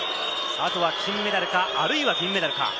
あとは金メダルか、あるいは銀メダルか。